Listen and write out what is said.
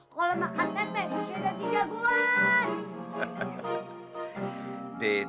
kalau makan tempe siadatnya jagoan